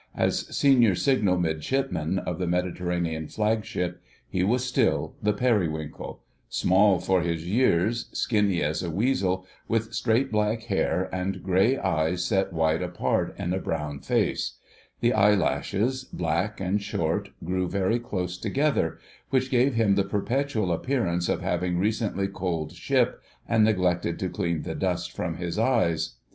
As senior Signal Midshipman of the Mediterranean Flagship, he was still "The Periwinkle," small for his years, skinny as a weasel, with straight black hair, and grey eyes set wide apart in a brown face; the eyelashes, black and short, grew very close together, which gave him the perpetual appearance of having recently coaled ship and neglected to clean the dust from his eyes.